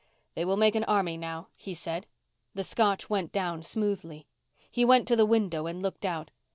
"They will make an army now," he said. The Scotch went down smoothly. He went to the window and looked out.